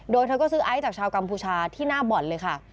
โดยเธอก็ซื้อไอซ์จากชาวกัมพูชาที่หน้าบ่อนเลยค่ะ